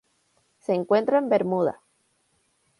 Se encuentra en Bermuda.